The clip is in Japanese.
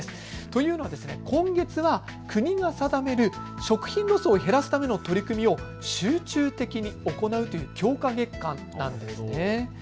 というのも今月は国が定める食品ロスを減らすための取り組みを集中的に行うという強化月間なんです。